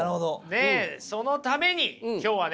でそのために今日はね